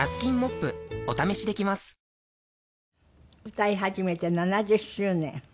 歌い始めて７０周年。